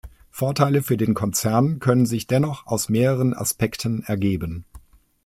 Vorteile für den Konzern können sich dennoch aus mehreren Aspekten ergeben.